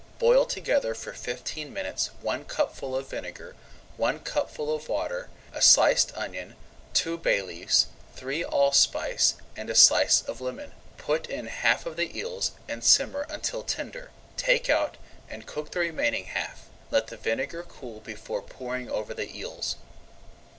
Boil together for fifteen minutes one cupful of vinegar, one cupful of water, a sliced onion, two bay leaves, three allspice, and a slice of lemon. Put in half of the eels and simmer until tender, take out, and cook the remaining half. Let the vinegar cool before pouring over the eels.